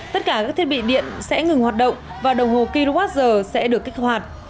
tất cả các thiết bị điện sẽ ngừng hoạt động và đồng hồ kilowatt giờ sẽ được kích hoạt